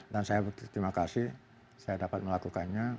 dan saya berterima kasih saya dapat melakukannya